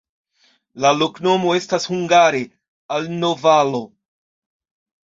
La loknomo estas hungare: alno-valo.